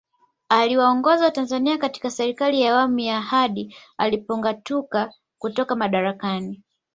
Aliwaongoza watanzania katika Serikali ya Awamu ya hadi alipongatuka kutoka madarakani